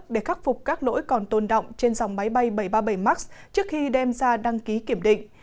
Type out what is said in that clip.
để khắc phục các lỗi còn tồn động trên dòng máy bay bảy trăm ba mươi bảy max trước khi đem ra đăng ký kiểm định